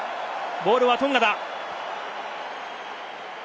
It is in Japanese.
ボールはトンガだ！